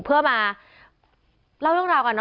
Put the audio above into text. เพื่อมาเล่าเรื่องราวกันเน